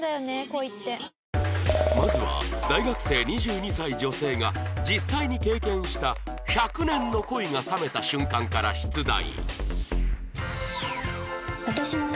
まずは大学生２２歳女性が実際に経験した１００年の恋が冷めた瞬間から出題